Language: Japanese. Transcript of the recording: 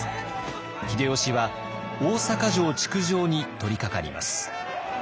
秀吉は大坂城築城に取りかかります。